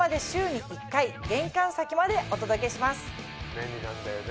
便利なんだよね